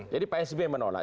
jadi pak s b menolak